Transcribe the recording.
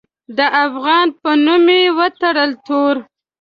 د افغان په نوم مې وتړه توره